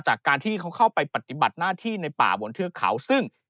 จากการที่เขาเข้าไปปฏิบัติหน้าที่ในป่าบนเทือกเขาซึ่ง